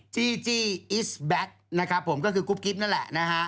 จีจี้อิสแบ็คนะครับผมก็คือกุ๊บกิ๊บนั่นแหละนะฮะ